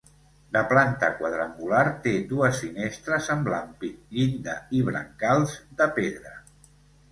De planta quadrangular, té dues finestres amb l'ampit, llinda i brancals de pedra.